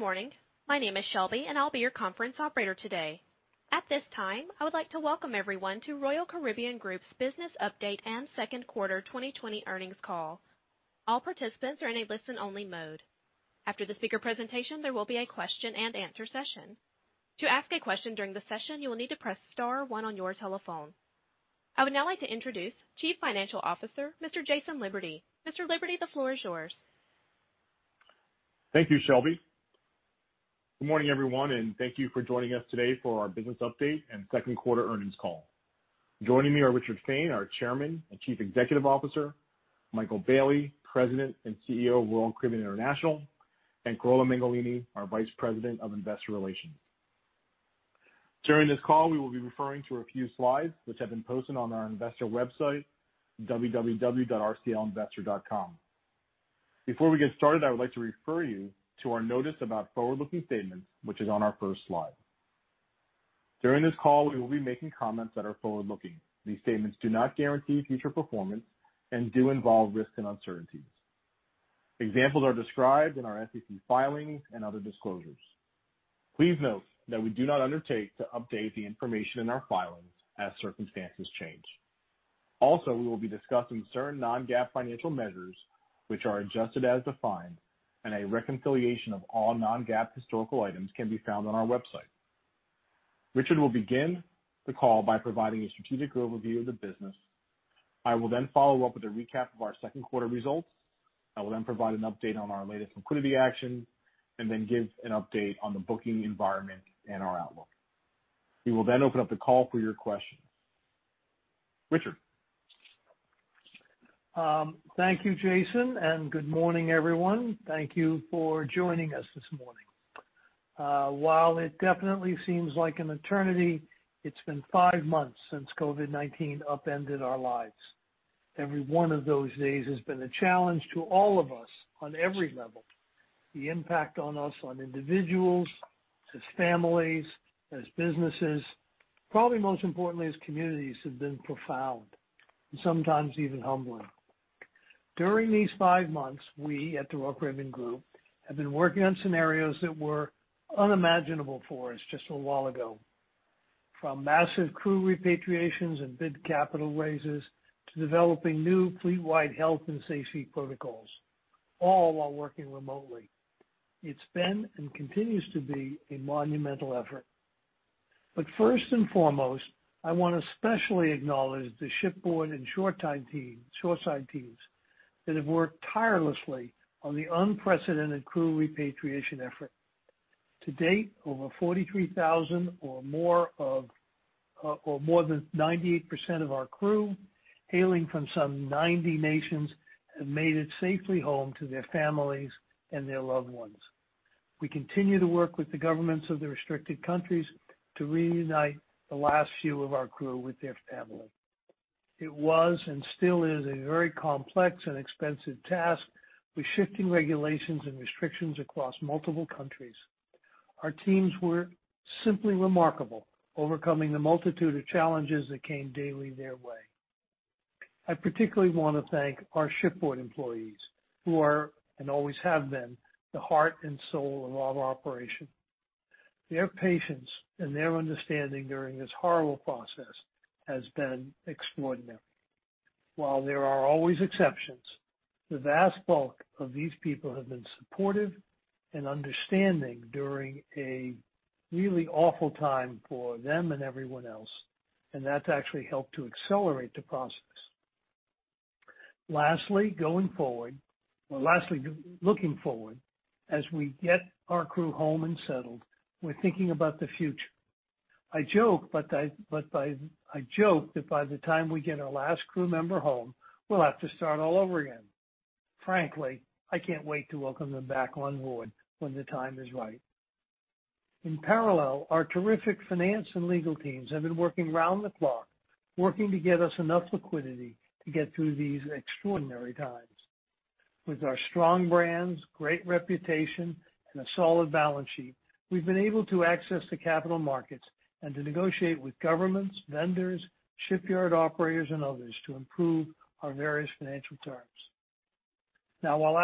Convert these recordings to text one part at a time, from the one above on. Good morning. My name is Shelby, and I'll be your conference operator today. At this time, I would like to welcome everyone to Royal Caribbean Group's business update and second quarter 2020 earnings call. All participants are in a listen-only mode. After the speaker presentation, there will be a question-and-answer session. To ask a question during the session, you will need to press star one on your telephone. I would now like to introduce Chief Financial Officer, Mr. Jason Liberty. Mr. Liberty, the floor is yours. Thank you, Shelby. Good morning, everyone, and thank you for joining us today for our business update and second quarter earnings call. Joining me are Richard Fain, our Chairman and Chief Executive Officer, Michael Bayley, President and CEO of Royal Caribbean International, and Carola Mengolini, our Vice President of Investor Relations. During this call, we will be referring to a few slides which have been posted on our investor website, rclinvestor.com. Before we get started, I would like to refer you to our notice about forward-looking statements, which is on our first slide. During this call, we will be making comments that are forward-looking. These statements do not guarantee future performance and do involve risks and uncertainties. Examples are described in our SEC filings and other disclosures. Please note that we do not undertake to update the information in our filings as circumstances change. Also, we will be discussing certain non-GAAP financial measures which are adjusted as defined, and a reconciliation of all non-GAAP historical items can be found on our website. Richard will begin the call by providing a strategic overview of the business. I will then follow up with a recap of our second quarter results. I will then provide an update on our latest liquidity action and then give an update on the booking environment and our outlook. We will then open up the call for your questions. Richard? Thank you, Jason. Good morning, everyone. Thank you for joining us this morning. While it definitely seems like an eternity, it's been five months since COVID-19 upended our lives. Every one of those days has been a challenge to all of us on every level. The impact on us on individuals, as families, as businesses, probably most importantly, as communities, have been profound and sometimes even humbling. During these five months, we at the Royal Caribbean Group have been working on scenarios that were unimaginable for us just a while ago. From massive crew repatriations and big capital raises to developing new fleet-wide health and safety protocols, all while working remotely. It's been and continues to be a monumental effort. First and foremost, I want to especially acknowledge the shipboard and shoreside teams that have worked tirelessly on the unprecedented crew repatriation effort. To date, over 43,000 or more than 98% of our crew, hailing from some 90 nations, have made it safely home to their families and their loved ones. We continue to work with the governments of the restricted countries to reunite the last few of our crew with their families. It was and still is a very complex and expensive task with shifting regulations and restrictions across multiple countries. Our teams were simply remarkable, overcoming the multitude of challenges that came daily their way. I particularly want to thank our shipboard employees who are, and always have been, the heart and soul of all our operation. Their patience and their understanding during this horrible process has been extraordinary. While there are always exceptions, the vast bulk of these people have been supportive and understanding during a really awful time for them and everyone else, and that's actually helped to accelerate the process. Looking forward, as we get our crew home and settled, we're thinking about the future. I joke that by the time we get our last crew member home, we'll have to start all over again. Frankly, I can't wait to welcome them back on board when the time is right. In parallel, our terrific finance and legal teams have been working round the clock, working to get us enough liquidity to get through these extraordinary times. With our strong brands, great reputation, and a solid balance sheet, we've been able to access the capital markets and to negotiate with governments, vendors, shipyard operators, and others to improve our various financial terms. While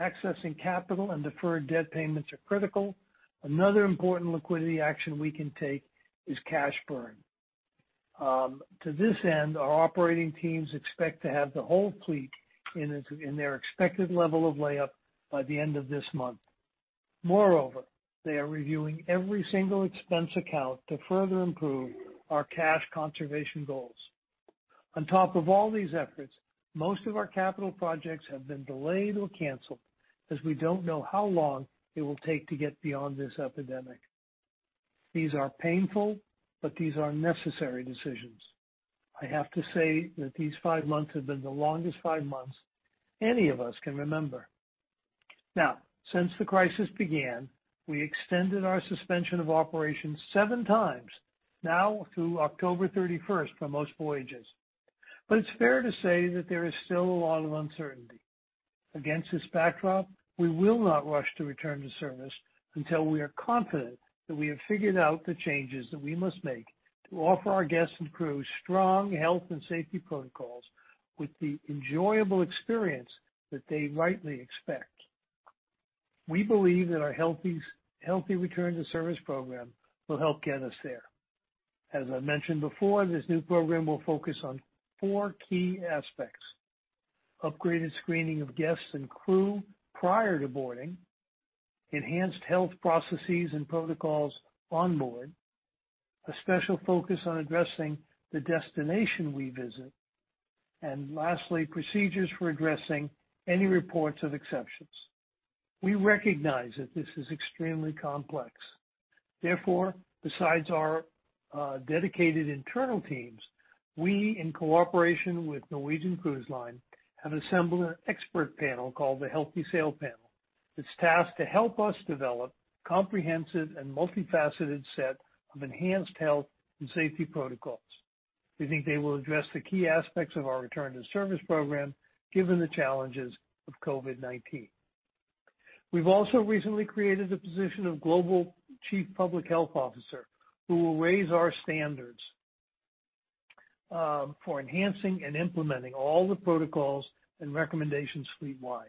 accessing capital and deferred debt payments are critical, another important liquidity action we can take is cash burn. To this end, our operating teams expect to have the whole fleet in their expected level of layup by the end of this month. Moreover, they are reviewing every single expense account to further improve our cash conservation goals. On top of all these efforts, most of our capital projects have been delayed or canceled as we don't know how long it will take to get beyond this epidemic. These are painful, but these are necessary decisions. I have to say that these five months have been the longest five months any of us can remember. Since the crisis began, we extended our suspension of operations seven times, now through October 31st for most voyages. It's fair to say that there is still a lot of uncertainty. Against this backdrop, we will not rush to return to service until we are confident that we have figured out the changes that we must make to offer our guests and crew strong health and safety protocols. With the enjoyable experience that they rightly expect. We believe that our Healthy Return to Service program will help get us there. As I mentioned before, this new program will focus on four key aspects: upgraded screening of guests and crew prior to boarding, enhanced health processes and protocols on board, a special focus on addressing the destination we visit, and lastly, procedures for addressing any reports of exceptions. We recognize that this is extremely complex. Besides our dedicated internal teams, we, in cooperation with Norwegian Cruise Line, have assembled an expert panel called the Healthy Sail Panel that's tasked to help us develop comprehensive and multifaceted set of enhanced health and safety protocols. We think they will address the key aspects of our Return to Service program given the challenges of COVID-19. We've also recently created the position of Global Chief Public Health Officer, who will raise our standards for enhancing and implementing all the protocols and recommendations fleet-wide.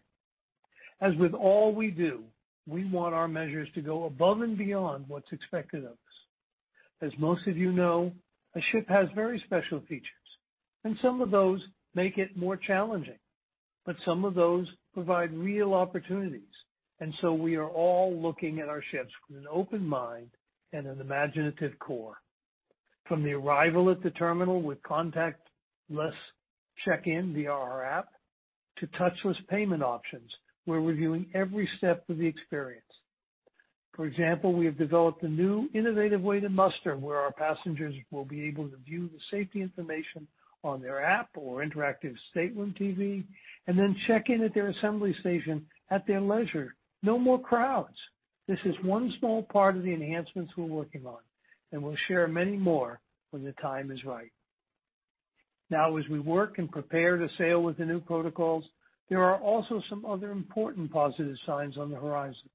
As with all we do, we want our measures to go above and beyond what's expected of us. As most of you know, a ship has very special features, and some of those make it more challenging, but some of those provide real opportunities, and so we are all looking at our ships with an open mind and an imaginative core. From the arrival at the terminal with contactless check-in via our app to touchless payment options, we're reviewing every step of the experience. For example, we have developed a new innovative way to muster, where our passengers will be able to view the safety information on their app or interactive stateroom TV, and then check in at their assembly station at their leisure. No more crowds. This is one small part of the enhancements we're working on, and we'll share many more when the time is right. As we work and prepare to sail with the new protocols, there are also some other important positive signs on the horizon.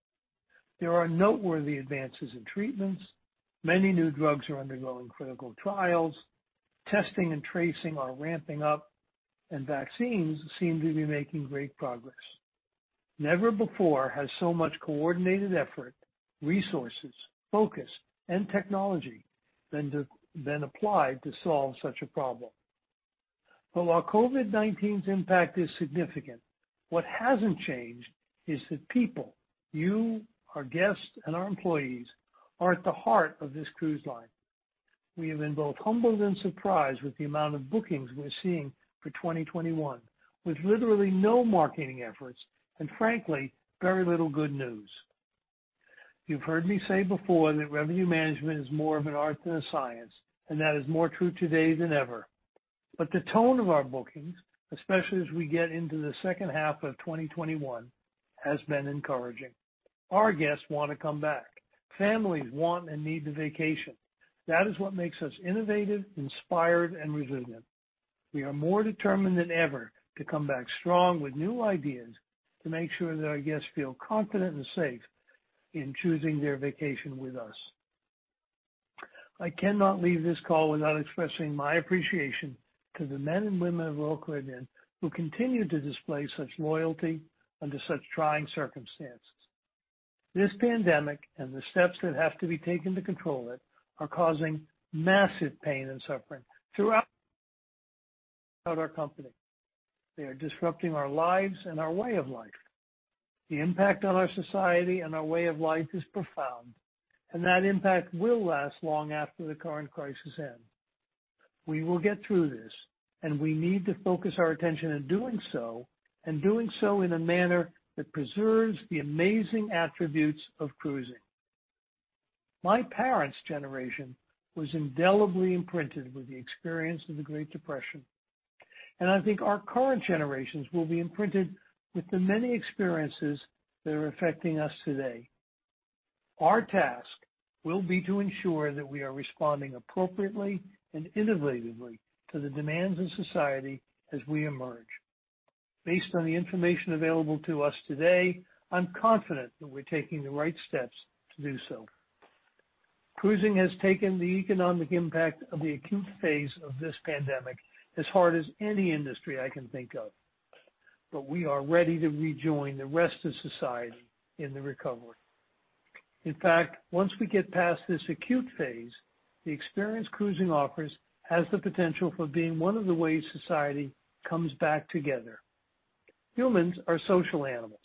There are noteworthy advances in treatments. Many new drugs are undergoing clinical trials. Testing and tracing are ramping up, and vaccines seem to be making great progress. Never before has so much coordinated effort, resources, focus, and technology been applied to solve such a problem. While COVID-19's impact is significant, what hasn't changed is that people, you, our guests, and our employees are at the heart of this cruise line. We have been both humbled and surprised with the amount of bookings we're seeing for 2021, with literally no marketing efforts and frankly, very little good news. You've heard me say before that revenue management is more of an art than a science, and that is more true today than ever. The tone of our bookings, especially as we get into the second half of 2021, has been encouraging. Our guests want to come back. Families want and need to vacation. That is what makes us innovative, inspired, and resilient. We are more determined than ever to come back strong with new ideas to make sure that our guests feel confident and safe in choosing their vacation with us. I cannot leave this call without expressing my appreciation to the men and women of Royal Caribbean who continue to display such loyalty under such trying circumstances. This pandemic and the steps that have to be taken to control it are causing massive pain and suffering throughout our company. They are disrupting our lives and our way of life. The impact on our society and our way of life is profound, and that impact will last long after the current crisis ends. We will get through this, and we need to focus our attention on doing so, and doing so in a manner that preserves the amazing attributes of cruising. My parents' generation was indelibly imprinted with the experience of the Great Depression, and I think our current generations will be imprinted with the many experiences that are affecting us today. Our task will be to ensure that we are responding appropriately and innovatively to the demands of society as we emerge. Based on the information available to us today, I'm confident that we're taking the right steps to do so. Cruising has taken the economic impact of the acute phase of this pandemic as hard as any industry I can think of, but we are ready to rejoin the rest of society in the recovery. In fact, once we get past this acute phase, the experience cruising offers has the potential for being one of the ways society comes back together. Humans are social animals,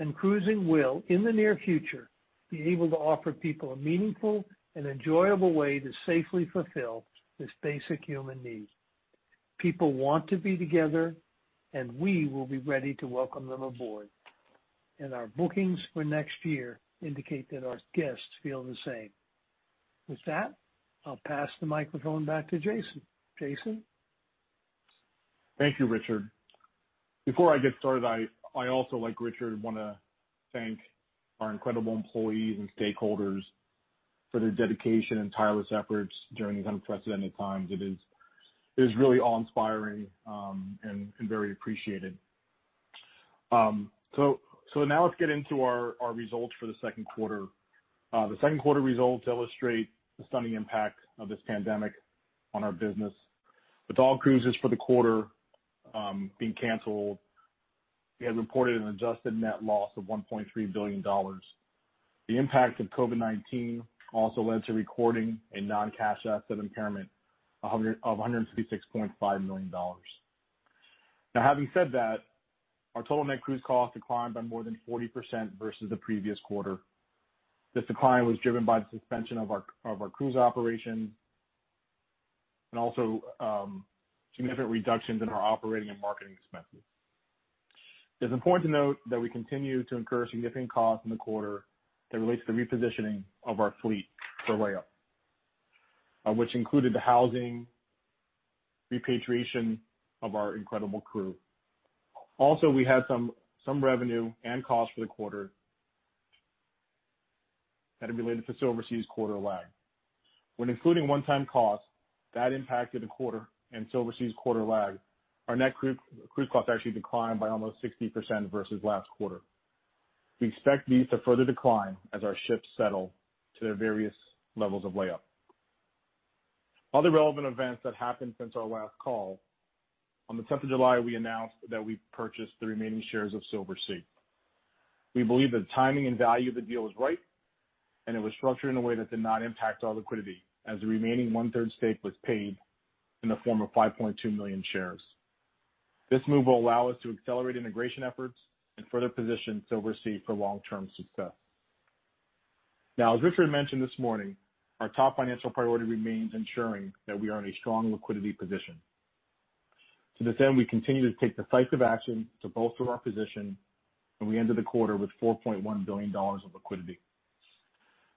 and cruising will, in the near future, be able to offer people a meaningful and enjoyable way to safely fulfill this basic human need. People want to be together, and we will be ready to welcome them aboard, and our bookings for next year indicate that our guests feel the same. With that, I will pass the microphone back to Jason. Jason? Thank you, Richard. Before I get started, I also, like Richard, want to thank our incredible employees and stakeholders for their dedication and tireless efforts during these unprecedented times. It is really awe-inspiring and very appreciated. Now let's get into our results for the second quarter. The second quarter results illustrate the stunning impact of this pandemic on our business. With all cruises for the quarter being canceled, we have reported an adjusted net loss of $1.3 billion. The impact of COVID-19 also led to recording a non-cash asset impairment of $156.5 million. Having said that, our total net cruise cost declined by more than 40% versus the previous quarter. This decline was driven by the suspension of our cruise operation and also significant reductions in our operating and marketing expenses. It's important to note that we continue to incur significant costs in the quarter that relates to repositioning of our fleet for layup, which included the housing, repatriation of our incredible crew. Also, we had some revenue and cost for the quarter that are related to Silversea's quarter lag. When including one-time costs that impacted the quarter and Silversea's quarter lag, our net cruise cost actually declined by almost 60% versus last quarter. We expect these to further decline as our ships settle to their various levels of layup. Other relevant events that happened since our last call, on the 10th of July, we announced that we purchased the remaining shares of Silversea. We believe the timing and value of the deal was right, and it was structured in a way that did not impact our liquidity, as the remaining one-third stake was paid in the form of 5.2 million shares. This move will allow us to accelerate integration efforts and further position Silversea for long-term success. As Richard mentioned this morning, our top financial priority remains ensuring that we are in a strong liquidity position. To this end, we continue to take decisive action to bolster our position, and we ended the quarter with $4.1 billion of liquidity.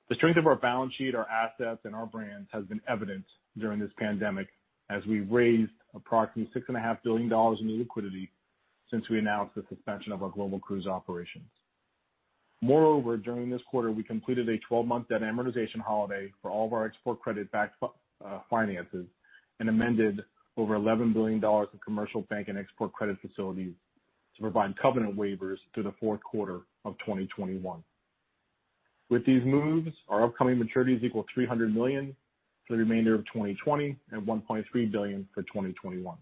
The strength of our balance sheet, our assets, and our brands has been evident during this pandemic as we've raised approximately $6.5 billion in new liquidity since we announced the suspension of our global cruise operations. Moreover, during this quarter, we completed a 12-month debt amortization holiday for all of our export credit-backed finances and amended over $11 billion of commercial bank and export credit facilities to provide covenant waivers through the fourth quarter of 2021. With these moves, our upcoming maturities equal $300 million for the remainder of 2020 and $1.3 billion for 2021.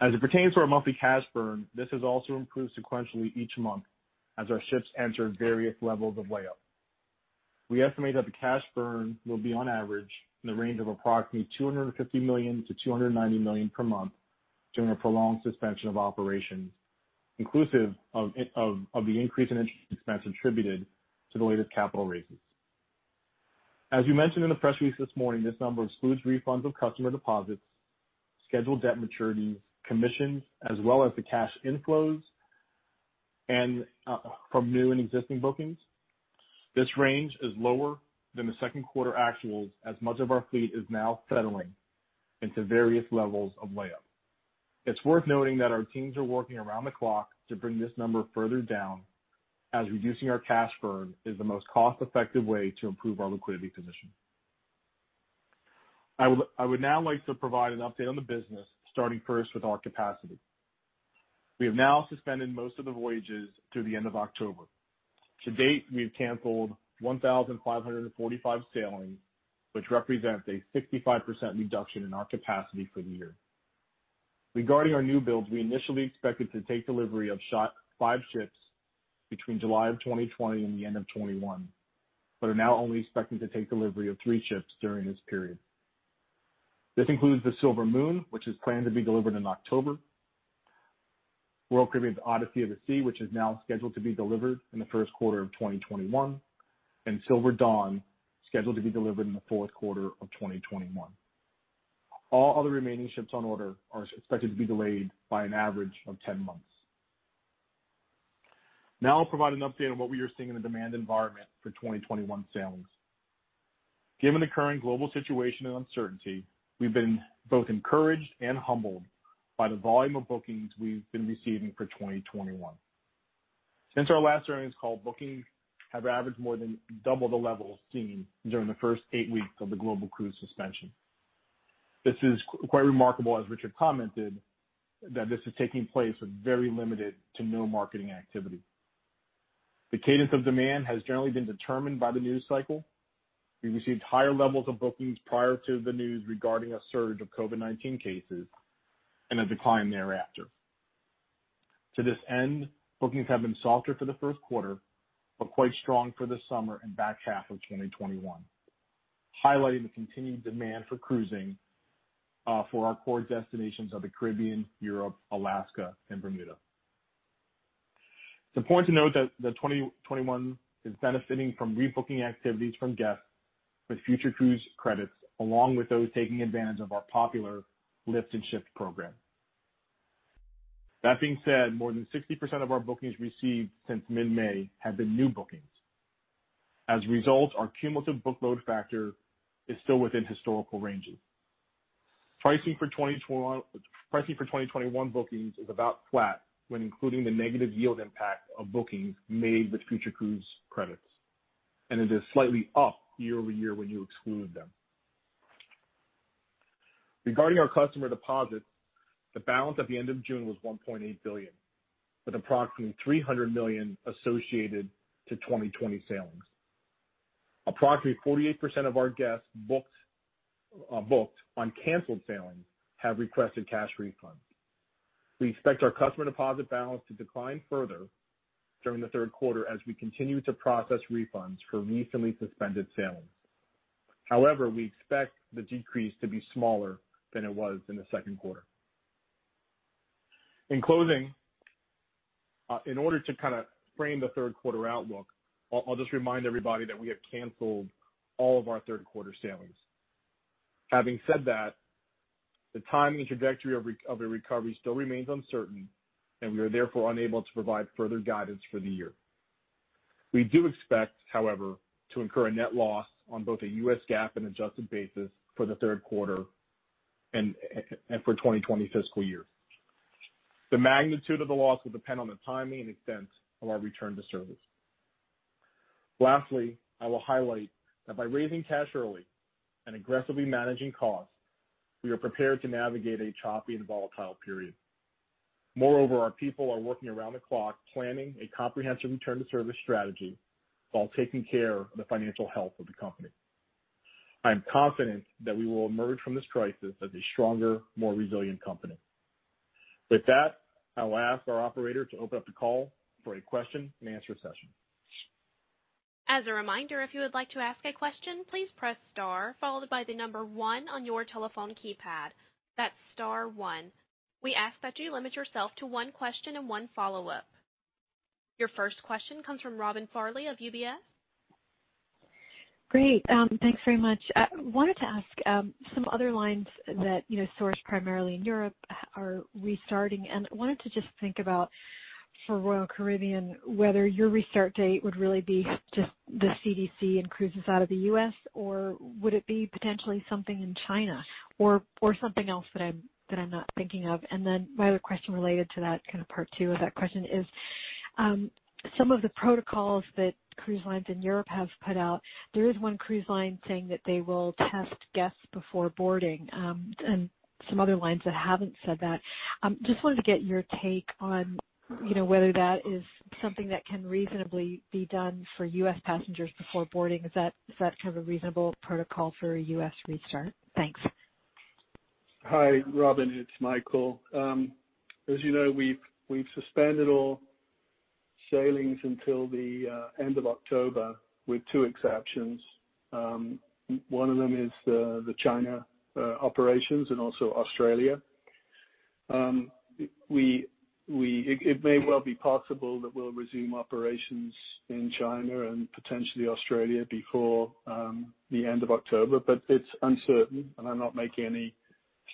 As it pertains to our monthly cash burn, this has also improved sequentially each month as our ships enter various levels of lay up. We estimate that the cash burn will be on average in the range of approximately $250 million-$290 million per month during a prolonged suspension of operations, inclusive of the increase in interest expense attributed to the latest capital raises. As we mentioned in the press release this morning, this number excludes refunds of customer deposits, scheduled debt maturities, commissions, as well as the cash inflows from new and existing bookings. This range is lower than the second quarter actuals, as much of our fleet is now settling into various levels of lay up. It's worth noting that our teams are working around the clock to bring this number further down, as reducing our cash burn is the most cost-effective way to improve our liquidity position. I would now like to provide an update on the business, starting first with our capacity. We have now suspended most of the voyages through the end of October. To date, we've canceled 1,545 sailings, which represents a 65% reduction in our capacity for the year. Regarding our new builds, we initially expected to take delivery of five ships between July of 2020 and the end of 2021, are now only expecting to take delivery of three ships during this period. This includes the Silver Moon, which is planned to be delivered in October, Royal Caribbean's Odyssey of the Seas, which is now scheduled to be delivered in the first quarter of 2021, and Silver Dawn, scheduled to be delivered in the fourth quarter of 2021. All other remaining ships on order are expected to be delayed by an average of 10 months. I'll provide an update on what we are seeing in the demand environment for 2021 sailings. Given the current global situation and uncertainty, we've been both encouraged and humbled by the volume of bookings we've been receiving for 2021. Since our last earnings call, bookings have averaged more than double the levels seen during the first eight weeks of the global cruise suspension. This is quite remarkable, as Richard commented, that this is taking place with very limited to no marketing activity. The cadence of demand has generally been determined by the news cycle. We received higher levels of bookings prior to the news regarding a surge of COVID-19 cases and a decline thereafter. To this end, bookings have been softer for the first quarter, but quite strong for the summer and back half of 2021, highlighting the continued demand for cruising for our core destinations of the Caribbean, Europe, Alaska, and Bermuda. It's important to note that 2021 is benefiting from rebooking activities from guests with Future Cruise Credits, along with those taking advantage of our popular Lift and Shift program. That being said, more than 60% of our bookings received since mid-May have been new bookings. Our cumulative book load factor is still within historical ranges. Pricing for 2021 bookings is about flat when including the negative yield impact of bookings made with Future Cruise Credits, and it is slightly up year-over-year when you exclude them. Regarding our customer deposits, the balance at the end of June was $1.8 billion, with approximately $300 million associated to 2020 sailings. Approximately 48% of our guests booked on canceled sailings have requested cash refunds. We expect our customer deposit balance to decline further during the third quarter as we continue to process refunds for recently suspended sailings. We expect the decrease to be smaller than it was in the second quarter. In closing, in order to kind of frame the third quarter outlook, I'll just remind everybody that we have canceled all of our third-quarter sailings. Having said that, the timing and trajectory of a recovery still remains uncertain, and we are therefore unable to provide further guidance for the year. We do expect, however, to incur a net loss on both a US GAAP and adjusted basis for the third quarter and for 2020 fiscal year. The magnitude of the loss will depend on the timing and extent of our return to service. Lastly, I will highlight that by raising cash early and aggressively managing costs, we are prepared to navigate a choppy and volatile period. Moreover, our people are working around the clock planning a comprehensive return-to-service strategy while taking care of the financial health of the company. I am confident that we will emerge from this crisis as a stronger, more resilient company. With that, I will ask our operator to open up the call for a question-and-answer session. As a reminder, if you would like to ask a question, please press star followed by the number one on your telephone keypad. That's star one. We ask that you limit yourself to one question and one follow-up. Your first question comes from Robin Farley of UBS. Great. Thanks very much. I wanted to ask, some other lines that source primarily in Europe are restarting. I wanted to just think about for Royal Caribbean, whether your restart date would really be just the CDC and cruises out of the U.S., or would it be potentially something in China or something else that I'm not thinking of? My other question related to that, kind of part two of that question is, some of the protocols that cruise lines in Europe have put out, there is one cruise line saying that they will test guests before boarding. Some other lines that haven't said that. Just wanted to get your take on whether that is something that can reasonably be done for U.S. passengers before boarding. Is that kind of a reasonable protocol for a U.S. restart? Thanks. Hi, Robin. It's Michael. As you know, we've suspended all sailings until the end of October, with two exceptions. One of them is the China operations and also Australia. It may well be possible that we'll resume operations in China and potentially Australia before the end of October, but it's uncertain. I'm not making any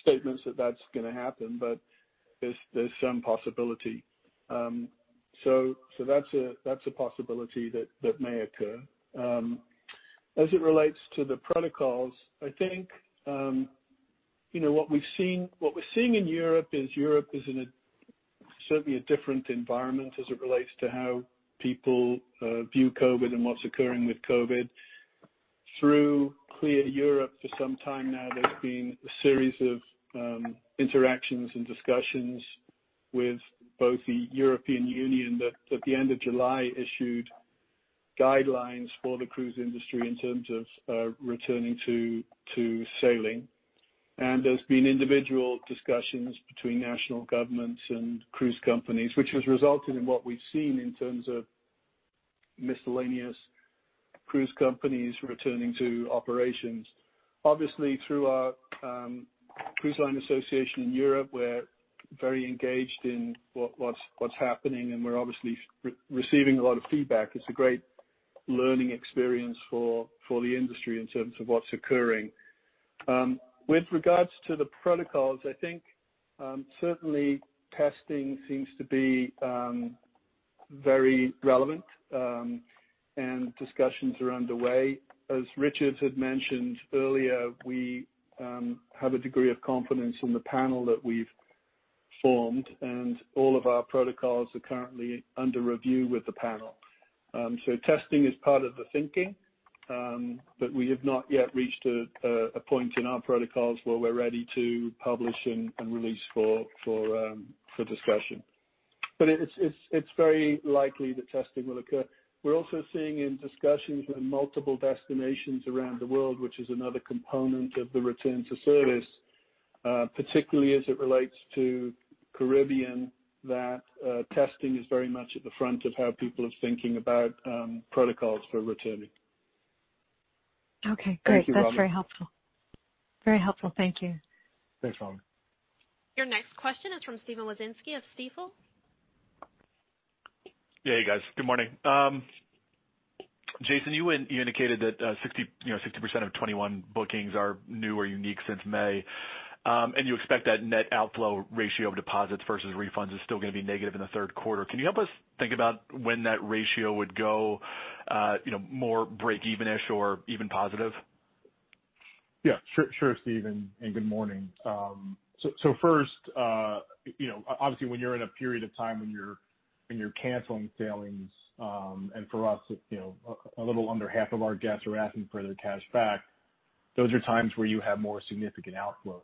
statements that that's going to happen. There's some possibility. That's a possibility that may occur. As it relates to the protocols, I think what we're seeing in Europe is Europe is in certainly a different environment as it relates to how people view COVID and what's occurring with COVID. Through CLIA Europe for some time now, there's been a series of interactions and discussions with both the European Union that at the end of July issued guidelines for the cruise industry in terms of returning to sailing. There's been individual discussions between national governments and cruise companies, which has resulted in what we've seen in terms of miscellaneous cruise companies returning to operations. Obviously through our cruise line association in Europe, we're very engaged in what's happening, and we're obviously receiving a lot of feedback. It's a great learning experience for the industry in terms of what's occurring. With regards to the protocols, I think certainly testing seems to be very relevant, and discussions are underway. As Richard had mentioned earlier, we have a degree of confidence in the panel that we've formed, and all of our protocols are currently under review with the panel. Testing is part of the thinking, but we have not yet reached a point in our protocols where we're ready to publish and release for discussion. It's very likely that testing will occur. We're also seeing in discussions with multiple destinations around the world, which is another component of the return to service, particularly as it relates to Caribbean, that testing is very much at the front of how people are thinking about protocols for returning. Okay, great. Thank you, Robin. That's very helpful. Very helpful. Thank you. Thanks, Robin. Your next question is from Steven Wieczynski of Stifel. Yeah, hey guys. Good morning. Jason, you indicated that 60% of 2021 bookings are new or unique since May. You expect that net outflow ratio of deposits versus refunds is still going to be negative in the third quarter. Can you help us think about when that ratio would go more break-even-ish or even positive? Sure, Steven, good morning. First, obviously when you're in a period of time when you're canceling sailings, and for us, a little under half of our guests are asking for their cash back. Those are times where you have more significant outflows.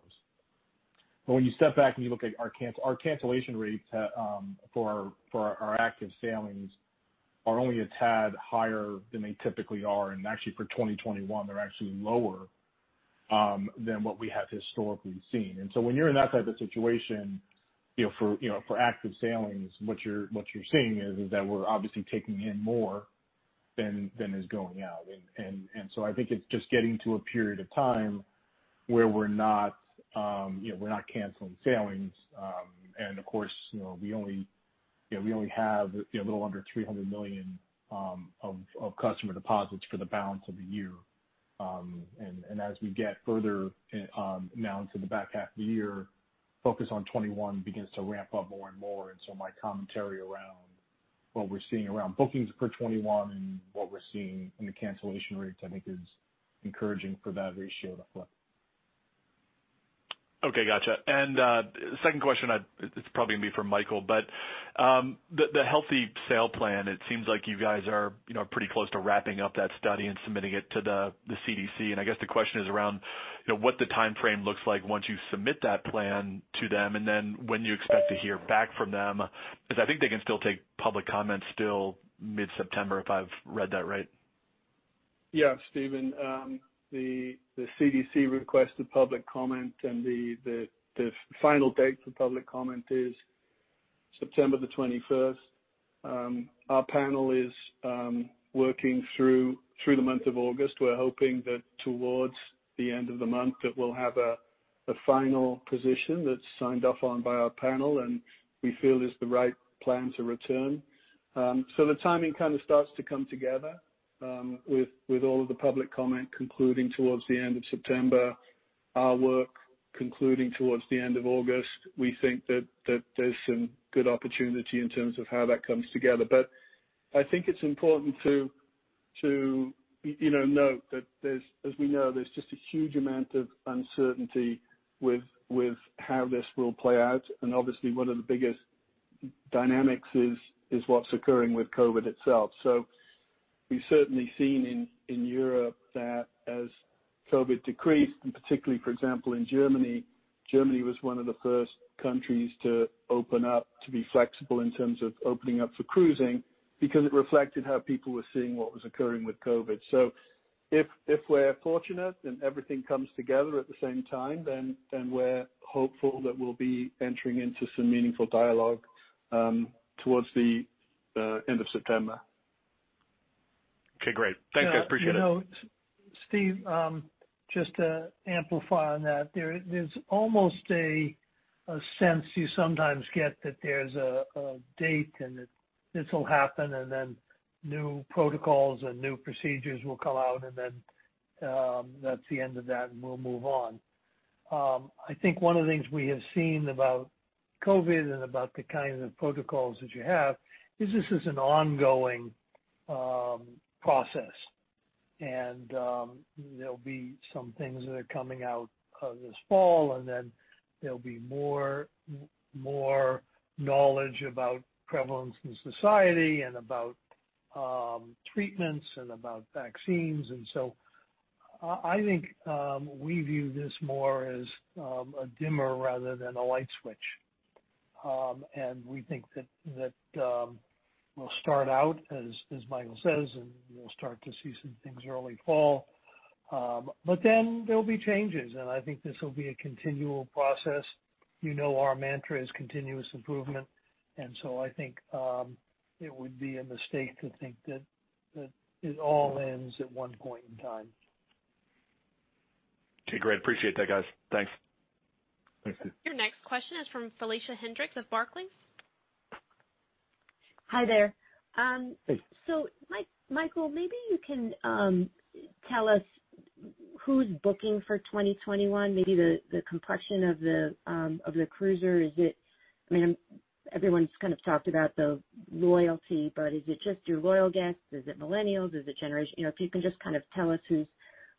When you step back and you look at our cancelation rates for our active sailings are only a tad higher than they typically are. Actually for 2021, they're actually lower than what we have historically seen. When you're in that type of situation for active sailings, what you're seeing is that we're obviously taking in more than is going out. I think it's just getting to a period of time where we're not canceling sailings. Of course, we only have a little under $300 million of customer deposits for the balance of the year. As we get further now into the back half of the year, focus on 2021 begins to ramp up more and more. My commentary around what we're seeing around bookings for 2021 and what we're seeing in the cancellation rates, I think is encouraging for that ratio to flip. Okay. Got you. Second question, it's probably going to be for Michael, but, the healthy sail plan, it seems like you guys are pretty close to wrapping up that study and submitting it to the CDC. I guess the question is around what the timeframe looks like once you submit that plan to them, and then when you expect to hear back from them. Because I think they can still take public comments still mid-September, if I've read that right. Yeah. Steven, the CDC requested public comment, and the final date for public comment is September 21st. Our panel is working through the month of August. We're hoping that towards the end of the month that we'll have a final position that's signed off on by our panel, and we feel is the right plan to return. The timing kind of starts to come together, with all of the public comment concluding towards the end of September, our work concluding towards the end of August. We think that there's some good opportunity in terms of how that comes together. I think it's important to note that, as we know, there's just a huge amount of uncertainty with how this will play out. Obviously one of the biggest dynamics is what's occurring with COVID-19 itself. We've certainly seen in Europe that as COVID decreased, and particularly, for example, in Germany. Germany was one of the first countries to open up, to be flexible in terms of opening up for cruising because it reflected how people were seeing what was occurring with COVID. If we're fortunate and everything comes together at the same time, then we're hopeful that we'll be entering into some meaningful dialogue towards the end of September. Okay, great. Thank you. I appreciate it. Steve, just to amplify on that. There's almost a sense you sometimes get that there's a date, and this'll happen, and then new protocols and new procedures will come out, and then that's the end of that, and we'll move on. I think one of the things we have seen about COVID-19 and about the kind of protocols that you have is this is an ongoing process. There'll be some things that are coming out this fall, and then there'll be more knowledge about prevalence in society and about treatments and about vaccines. I think we view this more as a dimmer rather than a light switch. We think that we'll start out, as Michael says, and we'll start to see some things early fall. There'll be changes, and I think this will be a continual process. You know our mantra is continuous improvement, and so I think it would be a mistake to think that it all ends at one point in time. Okay, great. Appreciate that, guys. Thanks. Thanks, Steve. Your next question is from Felicia Hendrix of Barclays. Hi there. Hey. Michael, maybe you can tell us who's booking for 2021, maybe the complexion of the cruiser. Everyone's kind of talked about the loyalty, but is it just your loyal guests? Is it millennials? If you can just kind of tell us who's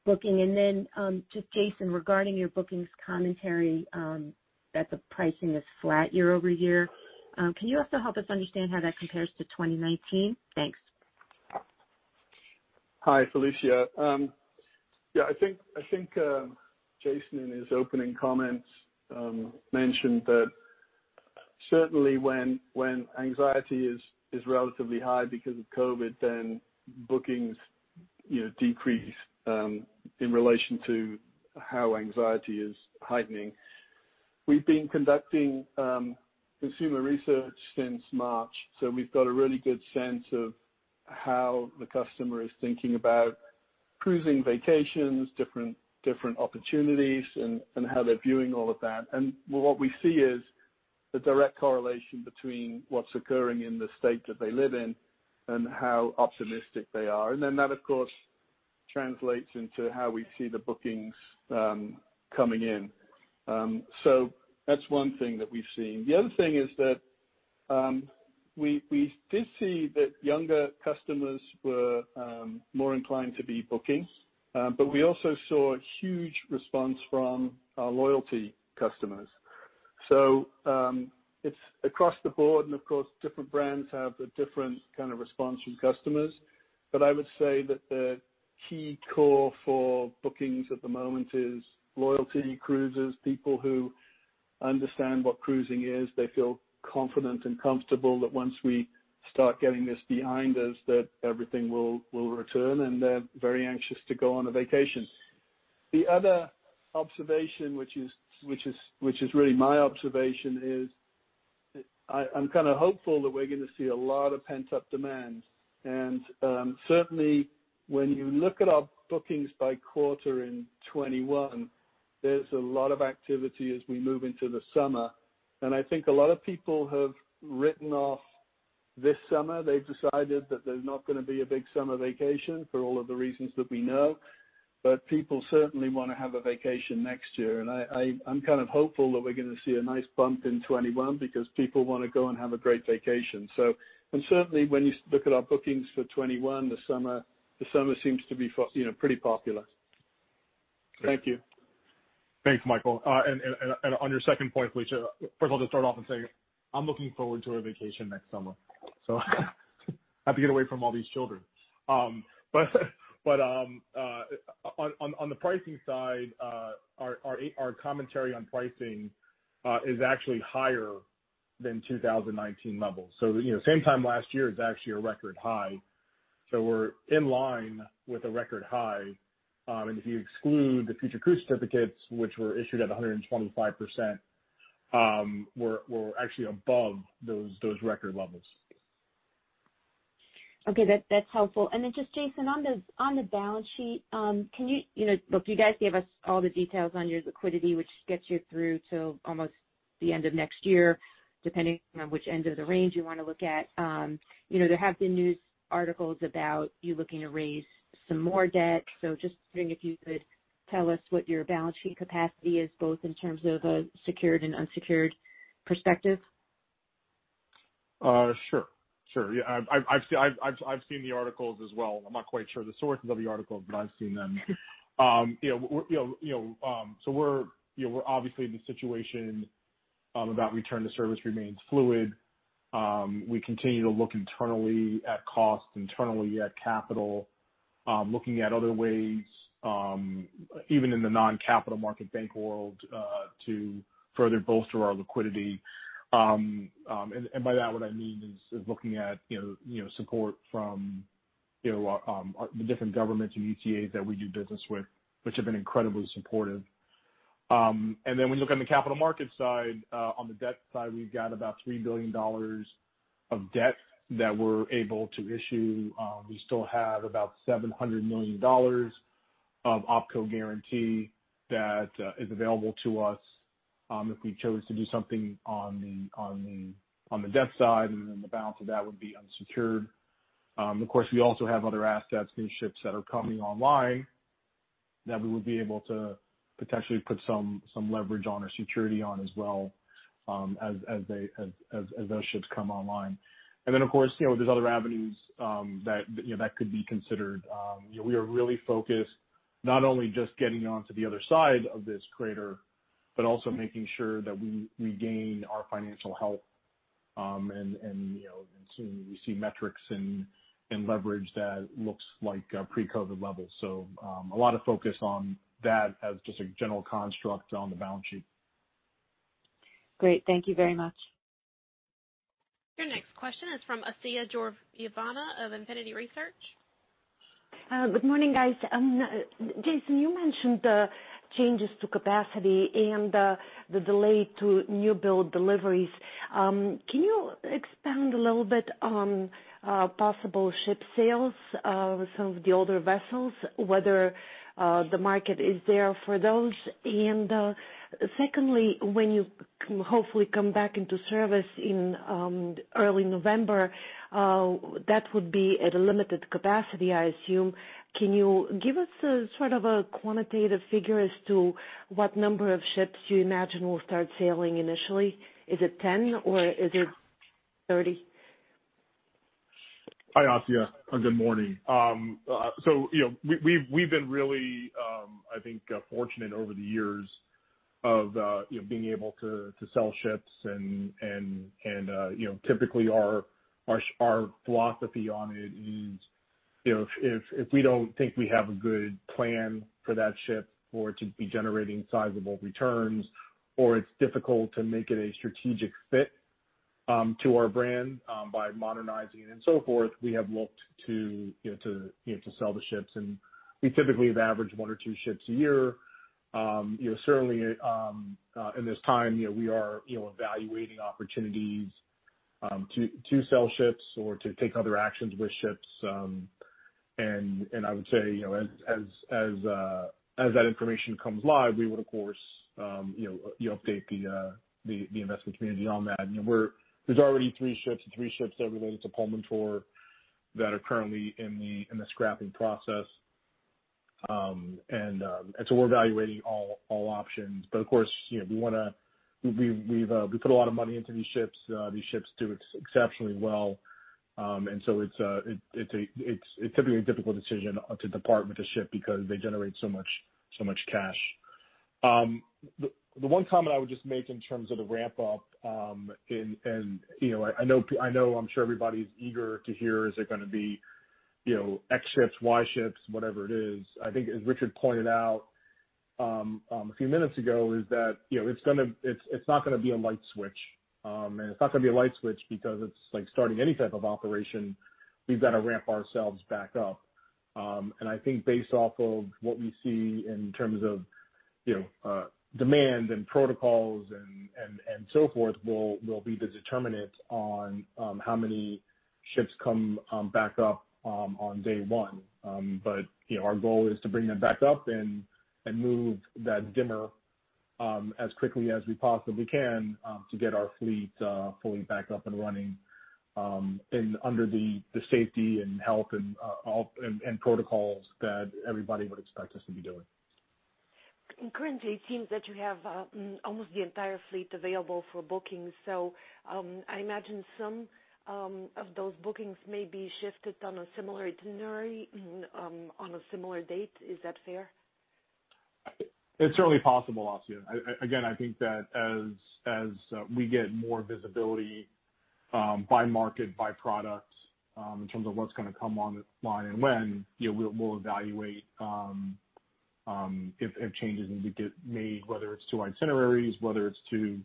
booking. Then, just Jason, regarding your bookings commentary, that the pricing is flat year-over-year. Can you also help us understand how that compares to 2019? Thanks. Hi, Felicia. Yeah, I think Jason, in his opening comments, mentioned that certainly when anxiety is relatively high because of COVID, then bookings decrease in relation to how anxiety is heightening. We've been conducting consumer research since March, so we've got a really good sense of how the customer is thinking about cruising vacations, different opportunities, and how they're viewing all of that. What we see is the direct correlation between what's occurring in the state that they live in and how optimistic they are. That, of course, translates into how we see the bookings coming in. That's one thing that we've seen. The other thing is that we did see that younger customers were more inclined to be booking. We also saw a huge response from our loyalty customers. So it's across the board, and of course, different brands have a different kind of response from customers. I would say that the key core for bookings at the moment is loyalty cruisers, people who understand what cruising is. They feel confident and comfortable that once we start getting this behind us, that everything will return, and they're very anxious to go on a vacation. The other observation, which is really my observation, is I'm kind of hopeful that we're going to see a lot of pent-up demand. Certainly when you look at our bookings by quarter in 2021, there's a lot of activity as we move into the summer. I think a lot of people have written off this summer. They've decided that there's not going to be a big summer vacation for all of the reasons that we know. People certainly want to have a vacation next year. I'm kind of hopeful that we're going to see a nice bump in 2021 because people want to go and have a great vacation. Certainly when you look at our bookings for 2021, the summer seems to be pretty popular. Thank you. Thanks, Michael. On your second point, first of all, just start off and say I'm looking forward to a vacation next summer. Have to get away from all these children. On the pricing side, our commentary on pricing is actually higher than 2019 levels. Same time last year is actually a record high. We're in line with a record high. If you exclude the future cruise certificates, which were issued at 125%, we're actually above those record levels. Okay. That's helpful. Just Jason, on the balance sheet, look, you guys gave us all the details on your liquidity, which gets you through till almost the end of next year, depending on which end of the range you want to look at. There have been news articles about you looking to raise some more debt. Just wondering if you could tell us what your balance sheet capacity is, both in terms of a secured and unsecured perspective. Sure. Yeah. I've seen the articles as well. I'm not quite sure the sources of the articles, but I've seen them. We're obviously in the situation about return to service remains fluid. We continue to look internally at cost, internally at capital, looking at other ways, even in the non-capital market bank world, to further bolster our liquidity. By that, what I mean is looking at support from the different governments and ECAs that we do business with, which have been incredibly supportive. We look on the capital markets side. On the debt side, we've got about $3 billion of debt that we're able to issue. We still have about $700 million of opco guarantee that is available to us if we chose to do something on the debt side, and then the balance of that would be unsecured. Of course, we also have other assets, new ships that are coming online that we would be able to potentially put some leverage on or security on as well as those ships come online. Of course, there's other avenues that could be considered. We are really focused not only just getting on to the other side of this crater, but also making sure that we regain our financial health, and soon we see metrics and leverage that looks like pre-COVID levels. A lot of focus on that as just a general construct on the balance sheet. Great. Thank you very much. Your next question is from Assia Georgieva of Infinity Research. Good morning, guys. Jason, you mentioned the changes to capacity and the delay to new build deliveries. Can you expand a little bit on possible ship sales of some of the older vessels, whether the market is there for those? Secondly, when you hopefully come back into service in early November, that would be at a limited capacity, I assume. Can you give us a sort of a quantitative figure as to what number of ships you imagine will start sailing initially? Is it 10 or is it 30? Hi, Asya, and good morning. We've been really, I think, fortunate over the years of being able to sell ships and typically our philosophy on it is if we don't think we have a good plan for that ship or to be generating sizable returns, or it's difficult to make it a strategic fit to our brand by modernizing it and so forth, we have looked to sell the ships, and we typically have averaged one or two ships a year. Certainly, in this time, we are evaluating opportunities to sell ships or to take other actions with ships. I would say as that information comes live, we would of course update the investment community on that. There's already three ships that related to Pullmantur that are currently in the scrapping process. We're evaluating all options. Of course, we put a lot of money into these ships. These ships do exceptionally well. So it's typically a difficult decision to depart with the ship because they generate so much cash. The one comment I would just make in terms of the ramp-up, and I know I'm sure everybody's eager to hear is there going to be X ships, Y ships, whatever it is. I think, as Richard pointed out a few minutes ago, is that it's not going to be a light switch. It's not going to be a light switch because it's like starting any type of operation, we've got to ramp ourselves back up. I think based off of what we see in terms of demand and protocols and so forth, will be the determinant on how many ships come back up on day one. Our goal is to bring them back up and move that dimmer as quickly as we possibly can to get our fleet fully back up and running under the safety and health and protocols that everybody would expect us to be doing. Currently, it seems that you have almost the entire fleet available for booking, so I imagine some of those bookings may be shifted on a similar itinerary on a similar date. Is that fair? It's certainly possible, Asya. Again, I think that as we get more visibility by market, by product, in terms of what's going to come online and when, we'll evaluate if changes need to get made, whether it's to itineraries, whether it's to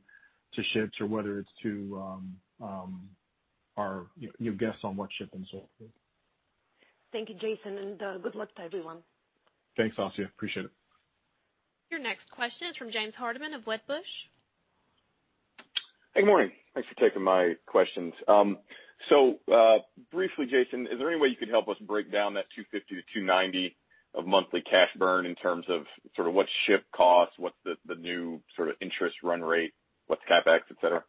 ships, or whether it's to your guess on what ship and so forth. Thank you, Jason, and good luck to everyone. Thanks, Assia. Appreciate it. Your next question is from James Hardiman of Wedbush. Hey, morning. Thanks for taking my questions. Briefly, Jason, is there any way you could help us break down that $250-$290 of monthly cash burn in terms of what ship costs, what's the new interest run rate, what's CapEx, et cetera?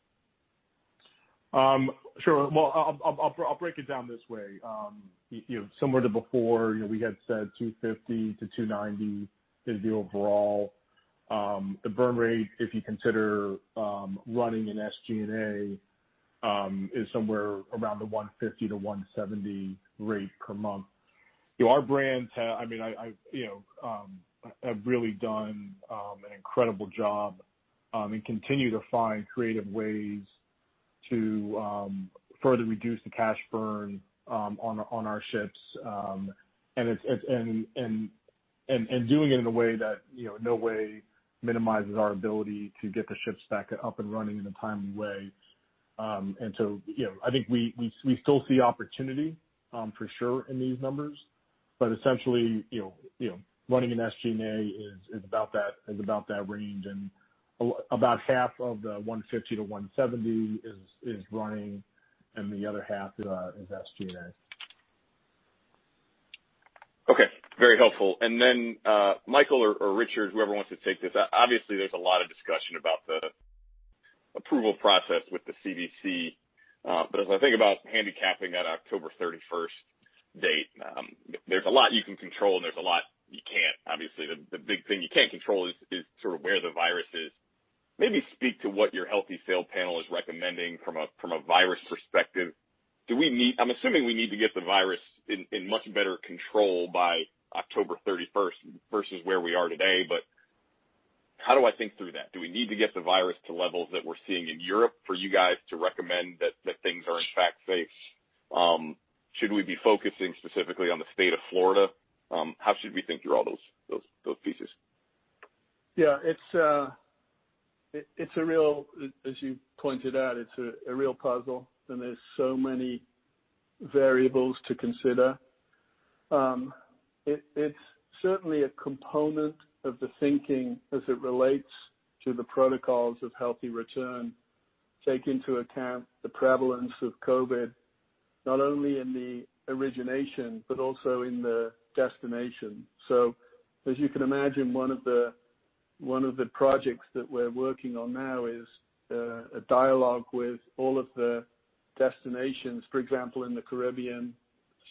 Sure. Well, I'll break it down this way. Similar to before, we had said $250-$290 is the overall. The burn rate, if you consider running an SG&A, is somewhere around the $150-$170 rate per month. Our brands have really done an incredible job, and continue to find creative ways to further reduce the cash burn on our ships. Doing it in a way that no way minimizes our ability to get the ships back up and running in a timely way. I think we still see opportunity for sure in these numbers, but essentially, running an SG&A is about that range, and about half of the $150-$170 is running, and the other half is SG&A. Okay. Very helpful. Michael or Richard, whoever wants to take this, obviously there's a lot of discussion about the approval process with the CDC. As I think about handicapping that October 31st date, there's a lot you can control and there's a lot you can't. Obviously, the big thing you can't control is sort of where the virus is. Maybe speak to what your Healthy Sail Panel is recommending from a virus perspective. I'm assuming we need to get the virus in much better control by October 31st versus where we are today, but how do I think through that? Do we need to get the virus to levels that we're seeing in Europe for you guys to recommend that things are in fact safe? Should we be focusing specifically on the state of Florida? How should we think through all those pieces? Yeah. As you pointed out, it's a real puzzle, and there's so many variables to consider. It's certainly a component of the thinking as it relates to the protocols of Healthy Return to Service, taking into account the prevalence of COVID-19, not only in the origination but also in the destination. As you can imagine, one of the projects that we're working on now is a dialogue with all of the destinations. For example, in the Caribbean,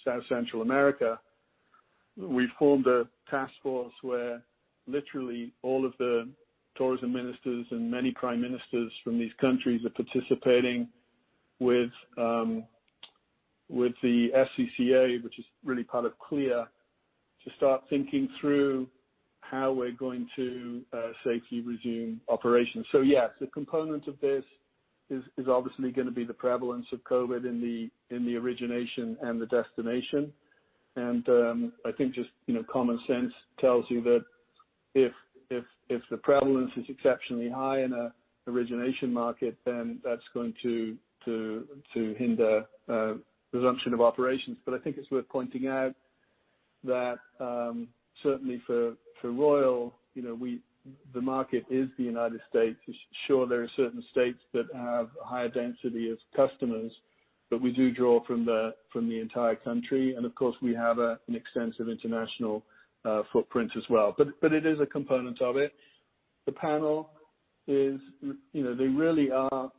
South and Central America, we formed a task force where literally all of the tourism ministers and many prime ministers from these countries are participating with the FCCA, which is really part of CLIA, to start thinking through how we're going to safely resume operations. Yes, the component of this is obviously going to be the prevalence of COVID-19 in the origination and the destination. I think just common sense tells you that if the prevalence is exceptionally high in an origination market, then that's going to hinder resumption of operations. I think it's worth pointing out that certainly for Royal, the market is the U.S. Sure, there are certain states that have a higher density of customers, but we do draw from the entire country, and of course, we have an extensive international footprint as well. It is a component of it. The panel, they really are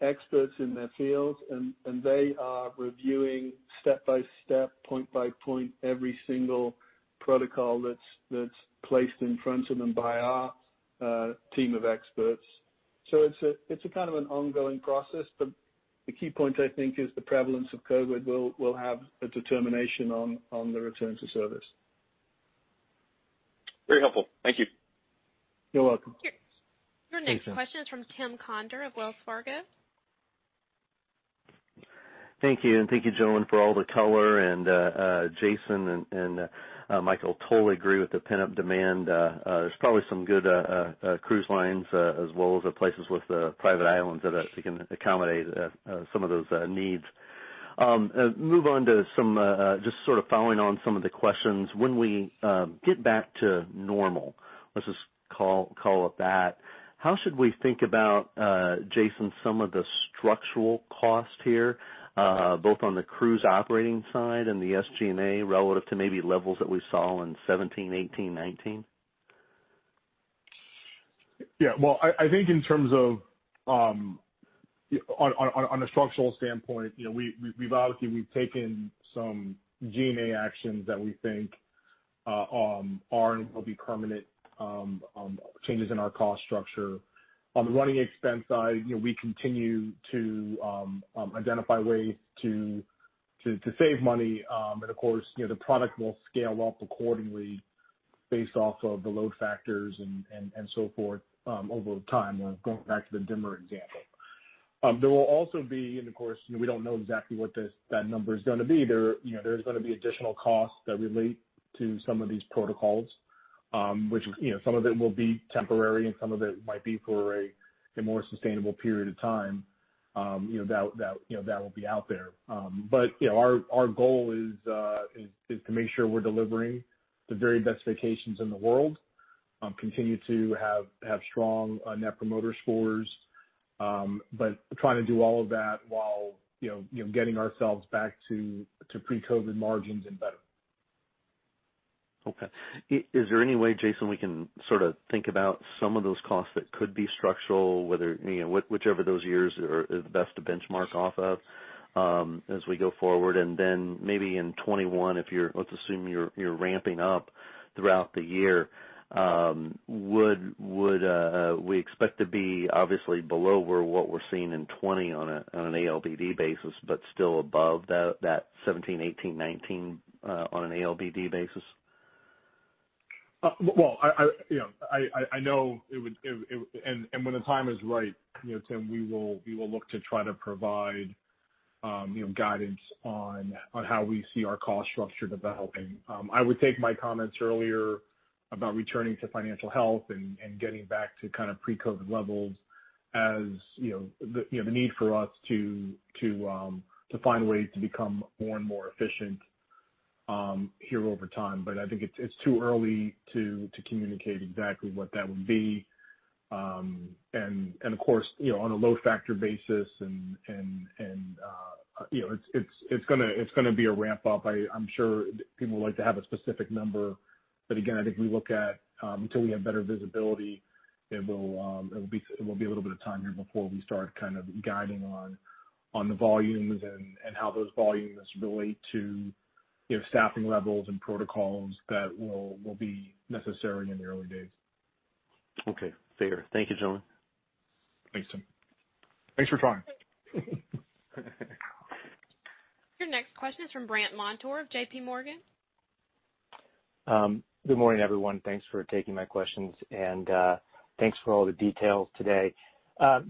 experts in their field, and they are reviewing step by step, point by point, every single protocol that's placed in front of them by our team of experts. It's a kind of an ongoing process, but the key point, I think, is the prevalence of COVID will have a determination on the return to service. Very helpful. Thank you. You're welcome. Thanks. Your next question is from Tim Conder of Wells Fargo. Thank you, and thank you, gentlemen, for all the color. Jason and Michael, totally agree with the pent-up demand. There's probably some good cruise lines, as well as places with private islands that can accommodate some of those needs. Move on to just sort of following on some of the questions. When we get back to normal, let's just call it that, how should we think about, Jason, some of the structural cost here, both on the cruise operating side and the SG&A relative to maybe levels that we saw in 2017, 2018, 2019? Yeah. Well, I think on a structural standpoint, we've obviously taken some G&A actions that we think will be permanent changes in our cost structure. On the running expense side, we continue to identify ways to save money. Of course, the product will scale up accordingly based off of the load factors and so forth over time, or going back to the dimmer example. There will also be, and of course, we don't know exactly what that number is going to be. There is going to be additional costs that relate to some of these protocols, which some of it will be temporary and some of it might be for a more sustainable period of time. That will be out there. Our goal is to make sure we're delivering the very best vacations in the world, continue to have strong Net Promoter Score, but trying to do all of that while getting ourselves back to pre-COVID-19 margins and better. Okay. Is there any way, Jason, we can sort of think about some of those costs that could be structural, whichever those years are the best to benchmark off of as we go forward? Maybe in 2021, let's assume you're ramping up throughout the year. Would we expect to be obviously below what we're seeing in 2020 on an ALBD basis, but still above that 2017, 2018, 2019 on an ALBD basis? Well, I know and when the time is right, Tim, we will look to try to provide guidance on how we see our cost structure developing. I would take my comments earlier about returning to financial health and getting back to kind of pre-COVID levels as the need for us to find ways to become more and more efficient here over time. I think it's too early to communicate exactly what that would be. Of course, on a load factor basis and it's going to be a ramp-up. I'm sure people would like to have a specific number, again, I think we look at, until we have better visibility, it will be a little bit of time here before we start kind of guiding on the volumes and how those volumes relate to staffing levels and protocols that will be necessary in the early days. Okay, fair. Thank you, gentlemen. Thanks, Tim. Thanks for trying. Your next question is from Brandt Montour of JPMorgan. Good morning, everyone. Thanks for taking my questions, and thanks for all the details today.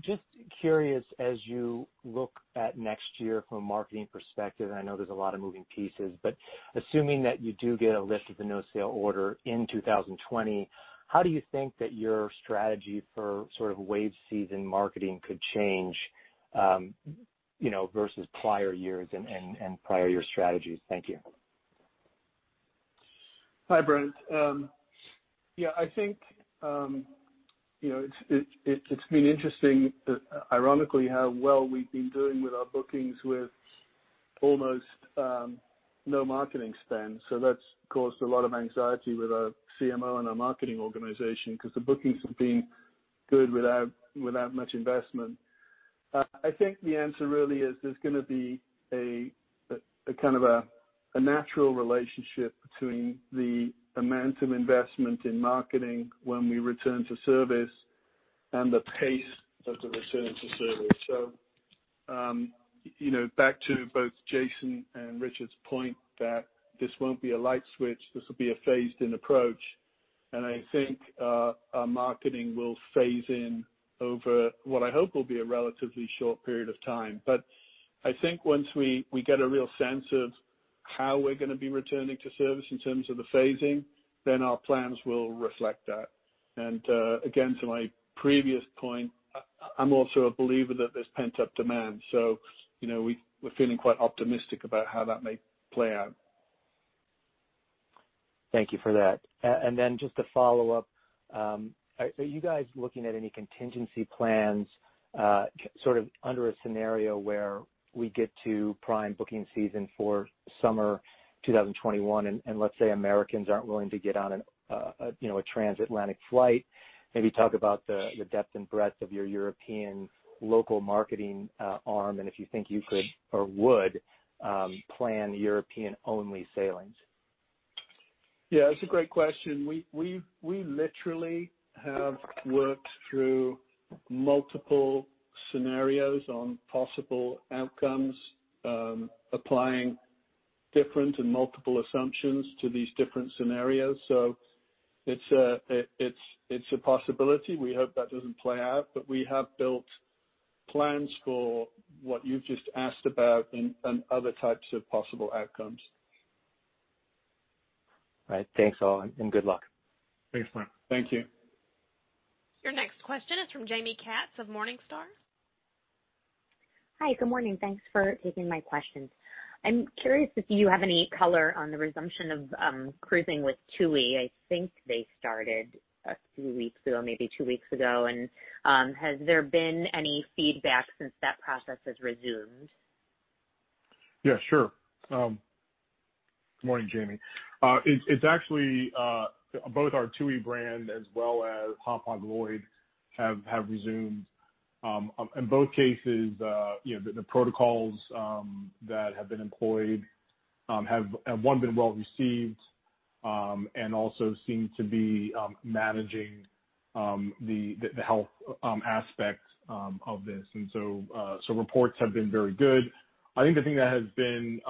Just curious, as you look at next year from a marketing perspective, I know there's a lot of moving pieces, but assuming that you do get a lift of the no-sail order in 2020, how do you think that your strategy for sort of wave season marketing could change versus prior years and prior year strategies? Thank you. Hi, Brandt. Yeah, I think it's been interesting, ironically, how well we've been doing with our bookings with almost no marketing spend. That's caused a lot of anxiety with our CMO and our marketing organization because the bookings have been good without much investment. I think the answer really is there's going to be a kind of a natural relationship between the amount of investment in marketing when we return to service and the pace of the return to service. Back to both Jason and Richard's point that this won't be a light switch, this will be a phased-in approach. I think our marketing will phase in over what I hope will be a relatively short period of time. I think once we get a real sense of how we're going to be returning to service in terms of the phasing, then our plans will reflect that. Again, to my previous point, I'm also a believer that there's pent-up demand. We're feeling quite optimistic about how that may play out. Thank you for that. Just a follow-up. Are you guys looking at any contingency plans sort of under a scenario where we get to prime booking season for summer 2021, and let's say Americans aren't willing to get on a transatlantic flight? Maybe talk about the depth and breadth of your European local marketing arm, and if you think you could or would plan European-only sailings. Yeah, it's a great question. We literally have worked through multiple scenarios on possible outcomes, applying different and multiple assumptions to these different scenarios. It's a possibility. We hope that doesn't play out, but we have built plans for what you've just asked about and other types of possible outcomes. Right. Thanks all, and good luck. Thanks, Mark. Thank you. Your next question is from Jaime Katz of Morningstar. Hi. Good morning. Thanks for taking my questions. I'm curious if you have any color on the resumption of cruising with TUI. I think they started a few weeks ago, maybe two weeks ago. Has there been any feedback since that process has resumed? Yeah, sure. Good morning, Jamie. It's actually both our TUI brand as well as Hapag-Lloyd have resumed. In both cases the protocols that have been employed have, one, been well-received, and also seem to be managing the health aspects of this. Reports have been very good. I think the thing that has been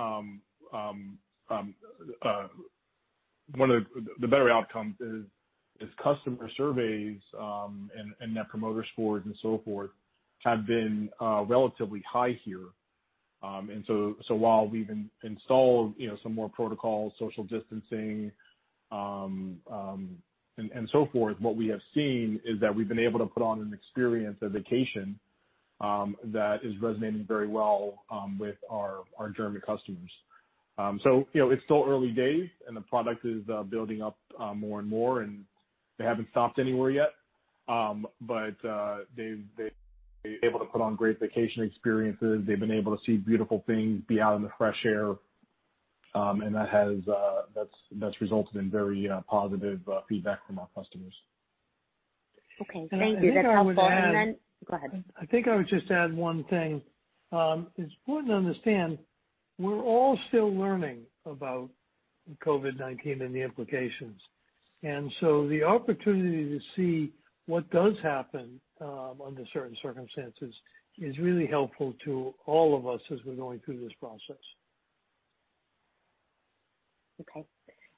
one of the better outcomes is customer surveys, and Net Promoter Scores and so forth, have been relatively high here. While we've installed some more protocols, social distancing, and so forth, what we have seen is that we've been able to put on an experience, a vacation, that is resonating very well with our German customers. It's still early days and the product is building up more and more, and they haven't stopped anywhere yet. They've been able to put on great vacation experiences. They've been able to see beautiful things, be out in the fresh air, that's resulted in very positive feedback from our customers. Okay. Thank you. That's helpful. I think I would add- Go ahead. I think I would just add one thing. It's important to understand, we're all still learning about COVID-19 and the implications. The opportunity to see what does happen under certain circumstances is really helpful to all of us as we're going through this process. Okay.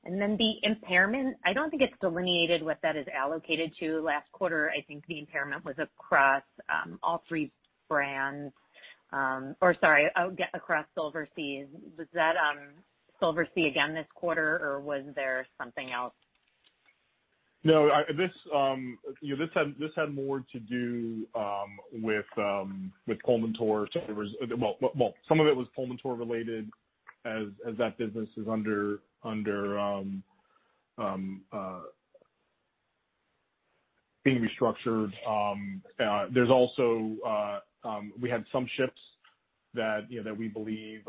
The impairment, I don't think it's delineated what that is allocated to. Last quarter, I think the impairment was across all three brands. Sorry, across Silversea. Was that Silversea again this quarter, or was there something else? No, this had more to do with Pullmantur. Well, some of it was Pullmantur related as that business is under being restructured. There's also we had some ships that we believe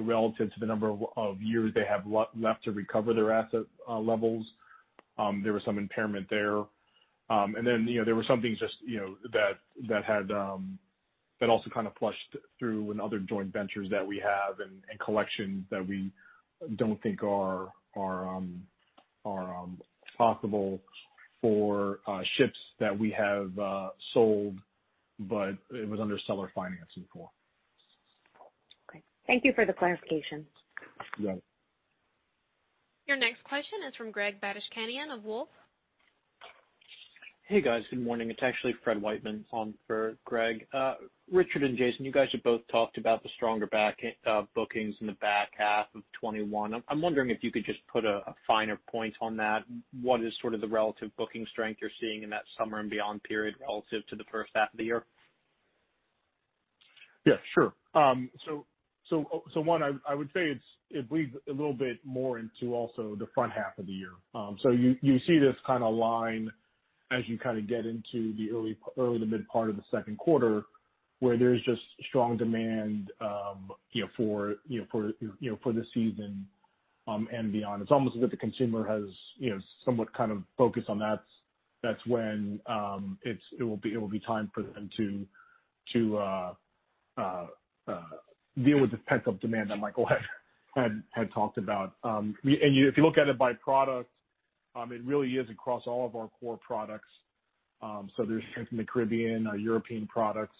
relative to the number of years they have left to recover their asset levels, there was some impairment there. There were some things just that had also kind of flushed through in other joint ventures that we have and collections that we don't think are possible for ships that we have sold, but it was under seller financing for. Okay. Thank you for the clarification. You got it. Your next question is from Greg Badishkanian of Wolfe. Hey, guys. Good morning. It's actually Fred Wightman on for Greg. Richard and Jason, you guys have both talked about the stronger bookings in the back half of 2021. I'm wondering if you could just put a finer point on that. What is sort of the relative booking strength you're seeing in that summer and beyond period relative to the first half of the year? Yeah, sure. One, I would say it bleeds a little bit more into also the front half of the year. You see this kind of line as you kind of get into the early to mid-part of the second quarter, where there's just strong demand for the season and beyond. It's almost as if the consumer has somewhat kind of focused on that's when it will be time for them to deal with this pent-up demand that Michael had talked about. If you look at it by product, it really is across all of our core products. There's strength in the Caribbean, our European products,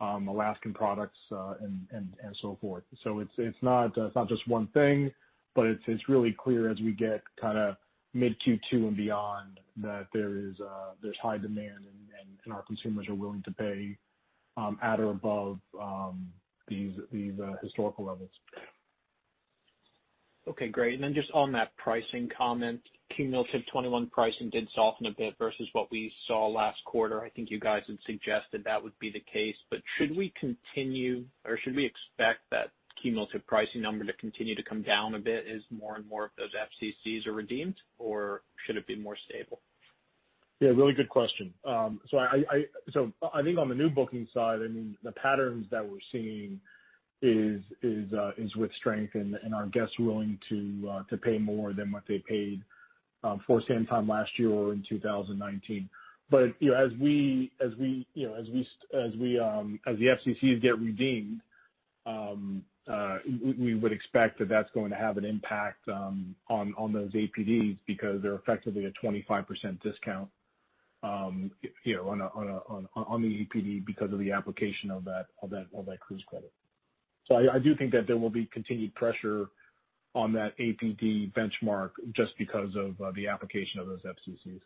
Alaskan products, and so forth. It's not just one thing, but it's really clear as we get kind of mid Q2 and beyond that there's high demand and our consumers are willing to pay at or above these historical levels. Okay, great. Just on that pricing comment, cumulative 2021 pricing did soften a bit versus what we saw last quarter. I think you guys had suggested that would be the case, should we continue or should we expect that cumulative pricing number to continue to come down a bit as more and more of those FCCs are redeemed? Should it be more stable? Yeah, really good question. I think on the new booking side, I mean, the patterns that we're seeing is with strength and our guests willing to pay more than what they paid for the same time last year or in 2019. As the FCCs get redeemed. We would expect that that's going to have an impact on those APDs because they're effectively a 25% discount on the APD because of the application of that cruise credit. I do think that there will be continued pressure on that APD benchmark just because of the application of those FCCs.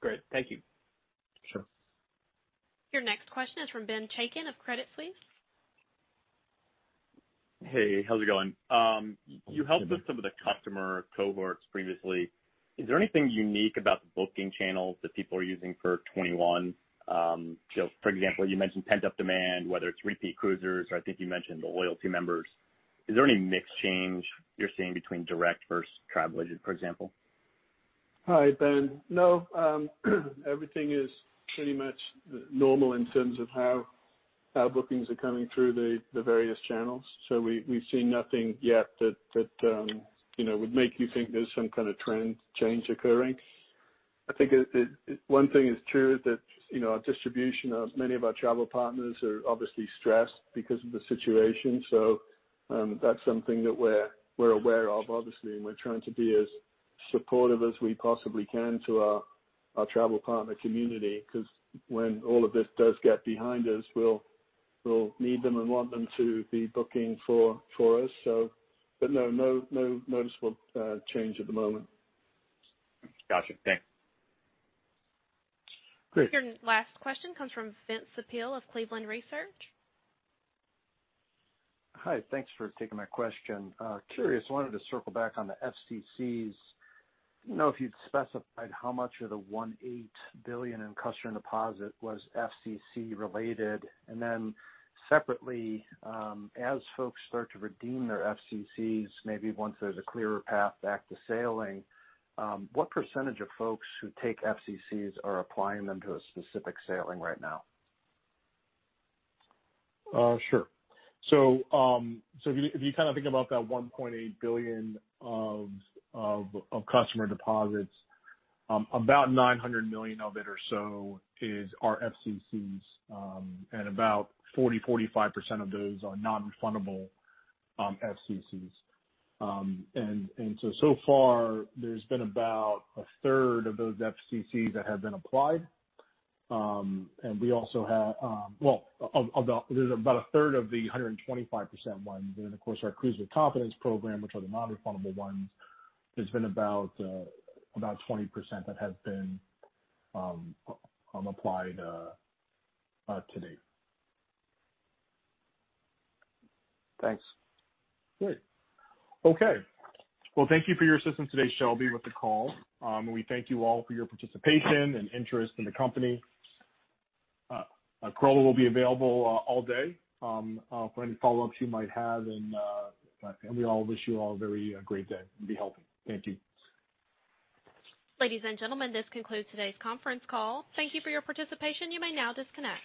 Great. Thank you. Sure. Your next question is from Benjamin Chaiken of Credit Suisse. Hey, how's it going? Hi, Ben. You helped with some of the customer cohorts previously. Is there anything unique about the booking channels that people are using for 2021? For example, you mentioned pent-up demand, whether it's repeat cruisers or I think you mentioned the loyalty members. Is there any mix change you're seeing between direct versus travel agent, for example? Hi, Ben. No. Everything is pretty much normal in terms of how bookings are coming through the various channels. We've seen nothing yet that would make you think there's some kind of trend change occurring. I think one thing is true, that our distribution of many of our travel partners are obviously stressed because of the situation. That's something that we're aware of, obviously, and we're trying to be as supportive as we possibly can to our travel partner community, because when all of this does get behind us, we'll need them and want them to be booking for us. No noticeable change at the moment. Got you. Thanks. Great. Your last question comes from Vince Ciepiel of Cleveland Research. Hi. Thanks for taking my question. Curious, wanted to circle back on the FCCs, if you'd specified how much of the $1.8 billion in customer deposit was FCC related, and then separately, as folks start to redeem their FCCs, maybe once there's a clearer path back to sailing, what % of folks who take FCCs are applying them to a specific sailing right now? Sure. If you think about that $1.8 billion of customer deposits, about $900 million of it or so is our FCCs. About 40%-45% of those are non-refundable FCCs. So far there's been about a third of those FCCs that have been applied. Well, there's about a third of the 125% ones, then of course our Cruise with Confidence program, which are the non-refundable ones, there's been about 20% that have been applied to date. Thanks. Great. Okay. Well, thank you for your assistance today, Shelby, with the call. We thank you all for your participation and interest in the company. Carlo will be available all day for any follow-ups you might have. We all wish you all a very great day, and be healthy. Thank you. Ladies and gentlemen, this concludes today's conference call. Thank you for your participation. You may now disconnect.